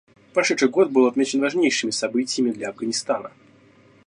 Прошедший год был отмечен важнейшими событиями для Афганистана.